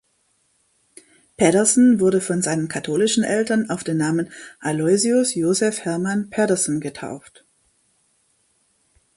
Pedersen wurde von seinen katholischen Eltern auf den Namen Aloysius Josef Hermann Pedersen getauft.